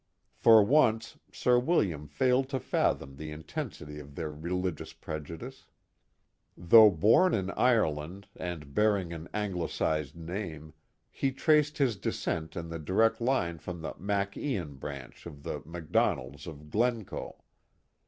For once Sir William failed to fathom the intensily of their religious prejudice. Though born in Ireland and bearing an .Anglicised name, he traced his descent in the direct line from the Mac Ian branch of the Mac Donalds of Glencoe.